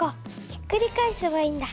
ひっくり返せばいいんだ。